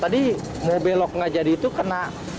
tadi mau belok nggak jadi itu kena